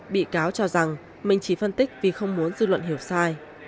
bị cáo cho rằng mình chỉ phân tích vì không muốn dư luận hiểu sai